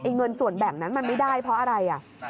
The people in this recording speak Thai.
เงินส่วนแบ่งนั้นมันไม่ได้เพราะอะไร